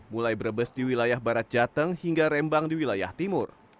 mulai brebes di wilayah barat jateng hingga rembang di wilayah timur